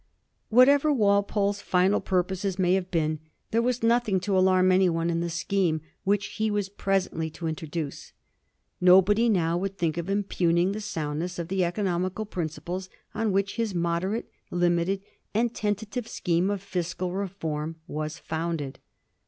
Whatever Walpole's final pur poses may have been, there was notiiing to alarm any one in the scheme which he was presentiy to in troduce. Nobody now would think of impugning the soundness of tiie economical principles on which his moderate, limited, and tentative scheme of fiscal reform was founded.